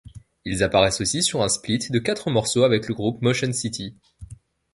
Ils apparaissent aussi sur un split de quatre morceaux avec le groupe Motion City.